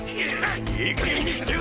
いいかげんにしやがれ！